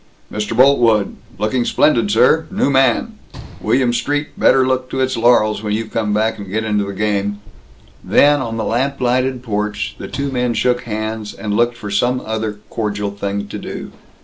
"Mr. Boltwood! Looking splendid, sir! New man! William Street better look to its laurels when you come back and get into the game!" Then, on the lamp lighted porch, the two men shook hands, and looked for some other cordial thing to do.